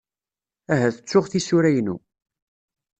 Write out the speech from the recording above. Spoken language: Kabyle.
Ahat ttuɣ tisura-inu.